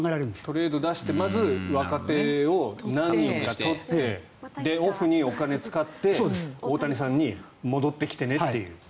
トレードに出してまず若手を何人か取ってオフにお金を使って大谷さんに戻ってきてねという。